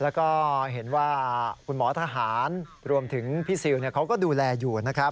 แล้วก็เห็นว่าคุณหมอทหารรวมถึงพี่ซิลเขาก็ดูแลอยู่นะครับ